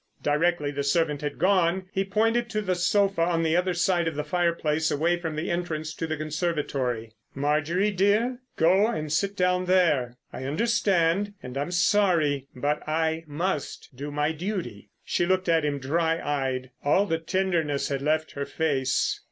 Directly the servant had gone he pointed to the sofa on the other side of the fireplace away from the entrance to the conservatory. "Marjorie, dear, go and sit down there. I understand, and I'm sorry; but I must do my duty." She looked at him dry eyed. All the tenderness had left her face.